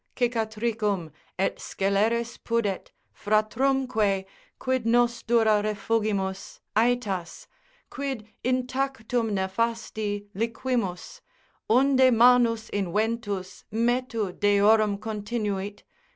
cicatricum, et sceleris pudet, Fratrumque: quid nos dura refugimus AEtas? quid intactum nefasti Liquimus? Unde manus inventus Metu Deorum continuit?